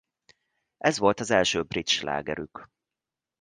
Ez volt az első brit slágerük.